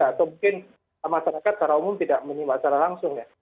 atau mungkin masyarakat secara umum tidak menyimak secara langsung ya